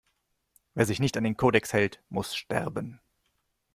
Wer sich nicht an den Kodex hält, muss sterben!